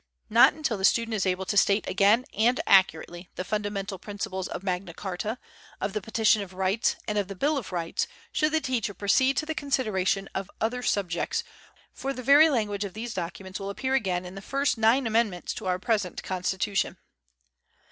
Not until the student is able to state again, and accurately, the fundamental principles of Magna Carta, of the Petition of Rights and of the Bill of Rights should the teacher proceed to the consideration of other subjects, for the very language of these documents will appear again in the first nine amendments to our present Constitution.